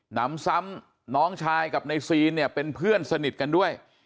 นำซ้ำน้องชายกับในซีนเนี่ยเป็นเพื่อนสนิทกันด้วย